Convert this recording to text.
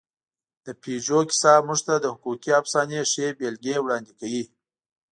د پيژو کیسه موږ ته د حقوقي افسانې ښې بېلګې وړاندې کوي.